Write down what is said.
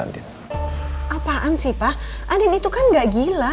ade metsuh hilang